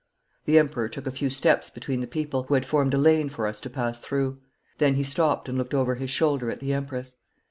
The Emperor took a few steps between the people, who had formed a lane for us to pass through. Then he stopped and looked over his shoulder at the Empress.